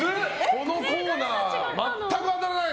このコーナー全く当たらない。